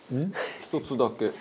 １つだけ。